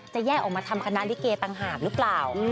แยกออกมาทำคณะลิเกต่างหากหรือเปล่า